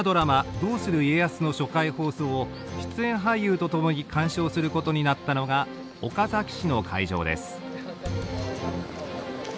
「どうする家康」の初回放送を出演俳優と共に観賞することになったのが岡崎市の会場です。